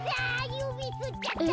ゆびすっちゃった！